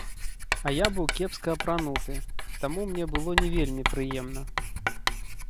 А я быў кепска апрануты, таму мне было не вельмі прыемна.